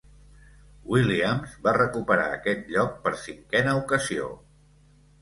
Williams va recuperar aquest lloc per cinquena ocasió.